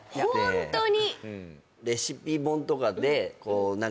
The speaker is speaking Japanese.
ホントに？